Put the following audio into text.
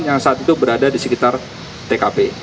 yang saat itu berada di sekitar tkp